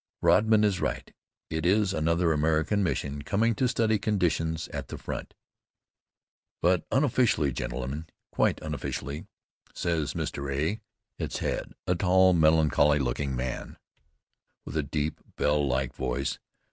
Rodman is right. It is another American mission coming to "study conditions" at the front. "But unofficially, gentlemen, quite unofficially," says Mr. A., its head, a tall, melancholy looking man, with a deep, bell like voice.